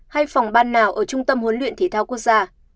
hay phòng ban nào ở trung tâm huấn luyện thể thao quốc gia